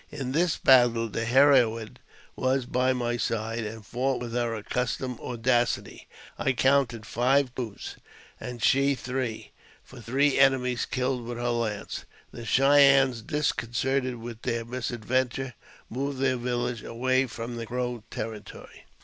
In this battle the heroine was by my side, and fought with her accustomed audacity. I counted five coos, and she three, for three enemies killed with her lance. The Cheyennes, disconcerted with their misadven ture, moved their village away from the Crow territory.